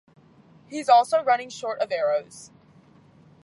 He's also running short of arrows.